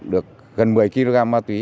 được gần một mươi kg ma túy